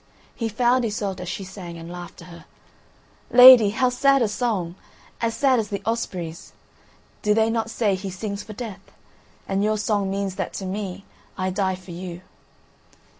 He found Iseult as she sang, and laughed to her: "Lady, how sad a song! as sad as the Osprey's; do they not say he sings for death? and your song means that to me; I die for you."